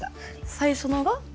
最初のが？